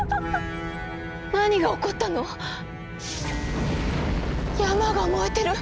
何が起こったの⁉山が燃えてる！